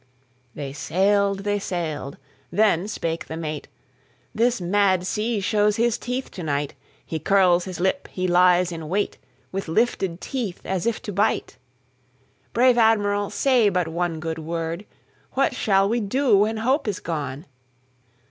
They sailed. They sailed. Then spake the mate:"This mad sea shows his teeth to night. He curls his lip, he lies in wait, With lifted teeth, as if to bite! Brave Admiral, say but one good word:What shall we do when hope is gone?"